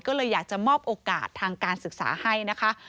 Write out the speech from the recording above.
ก็เลยอยากจะมอบโอกาสทางการศึกษาให้นะคะ